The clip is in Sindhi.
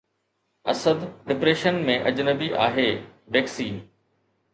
اسد ڊپريشن ۾ اجنبي آهي، بيڪسي